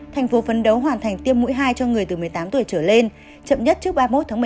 thành phố phấn đấu hoàn thành tiêm mũi hai cho người từ một mươi tám tuổi trở lên chậm nhất trước ba mươi một tháng một mươi một